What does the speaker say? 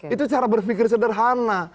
itu cara berpikir sederhana